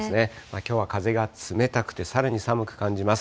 きょうは風が冷たくて、さらに寒く感じます。